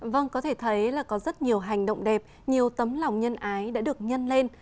vâng có thể thấy là có rất nhiều hành động đẹp nhiều tấm lòng nhân ái đã được nhân lên